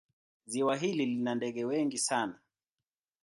Ziwa hili lina ndege wengi sana.